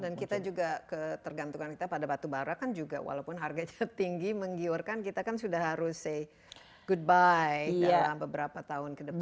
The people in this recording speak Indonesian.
dan kita juga tergantung pada batu bara kan juga walaupun harganya tinggi menggiurkan kita kan sudah harus say goodbye dalam beberapa tahun ke depan ini